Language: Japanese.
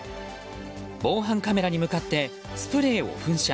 防犯カメラに向かってスプレーを噴射。